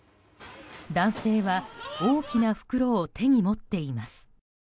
男性は、大きな袋を手に持っています。